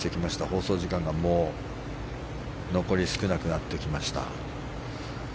放送時間がもう残り少なくなってきました。